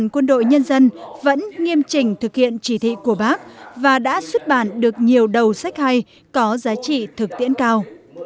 quân đội nhân dân vẫn nghiêm trình thực hiện chỉ thị của bác và đã xuất bản được nhiều đầu sách hay có giá trị thực tiễn cao